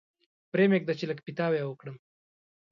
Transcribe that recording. پرې مېږده چې لږ پیتاوی وکړم.